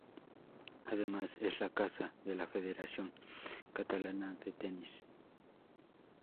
Además es la casa de la Federación Catalana de Tenis.